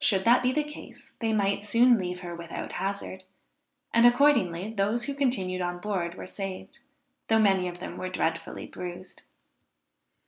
Should that be the case, they might soon leave her without hazard; and accordingly those who continued on board were saved, though many of them were dreadfully bruised.